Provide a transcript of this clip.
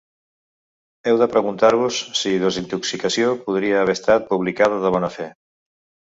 Heu de preguntar-vos si ‘Desintoxicació’ podria haver estat publicada de bona fe.